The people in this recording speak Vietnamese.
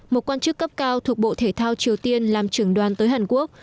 một quan chức cấp cao thuộc bộ thể thao triều tiên làm trưởng đoàn tới hàn quốc